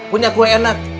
punya kue enak